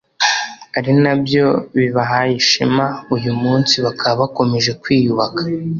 ari nabyo bibahaye ishema uyu munsi bakaba bakomeje kwiyubaka